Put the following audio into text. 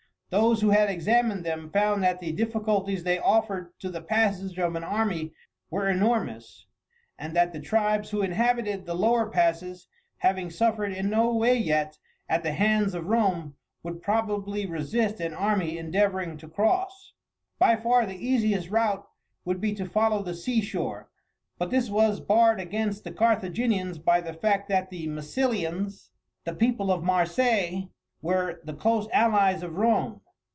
Those who had examined them found that the difficulties they offered to the passage of an army were enormous, and that the tribes who inhabited the lower passes, having suffered in no way yet at the hands of Rome, would probably resist any army endeavouring to cross. By far the easiest route would be to follow the seashore, but this was barred against the Carthaginians by the fact that the Massilians (the people of Marseilles) were the close allies of Rome.